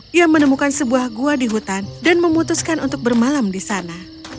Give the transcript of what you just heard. dia menemukan sebuah gua di hutan dan memutuskan untuk bermalam di sana